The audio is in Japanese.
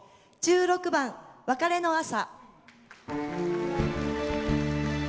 １６番「別れの朝」。